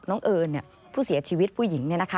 เอิญผู้เสียชีวิตผู้หญิง